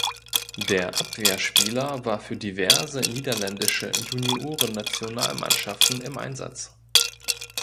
Der Abwehrspieler war für diverse niederländische Juniorennationalmannschaften im Einsatz.